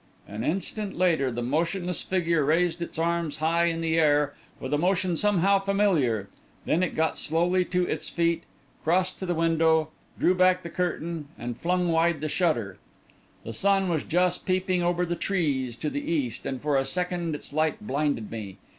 An instant later, the motionless figure raised its arms high in air, with a motion somehow familiar; then it got slowly to its feet, crossed to the window, drew back the curtain and flung wide the shutter. The sun was just peeping over the trees to the east, and for a second its light blinded me.